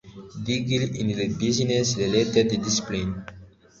Degree in a business related discipline